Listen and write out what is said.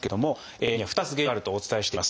便秘には２つ原因があるとお伝えしています。